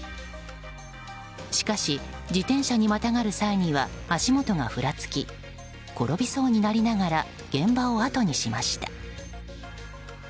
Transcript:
しかし、自転車にまたがる際には足元がふらつき転びそうになりながら現場をあとにしました。